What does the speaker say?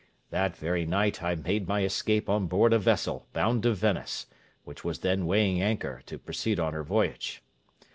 That very night I made my escape on board a vessel bound to Venice, which was then weighing anchor to proceed on her voyage.